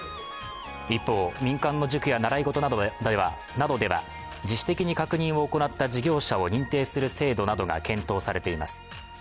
一方、民間の塾や習い事などでは自主的に確認を行った事業者を認定する制度などが検討されています。